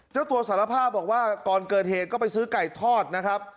เจ้าตัวสารภาพบอกว่าก่อนเกิดเหตุก็ไปซื้อไก่ทอดนะครับ